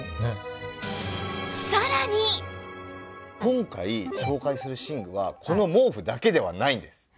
今回紹介する寝具はこの毛布だけではないんです。